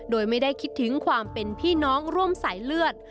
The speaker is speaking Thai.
โดยไม่ได้คิดถึงความเป็นพี่น้องร่วมสายเลือด